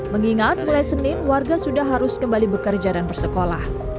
mengingat mulai senin warga sudah harus kembali bekerja dan bersekolah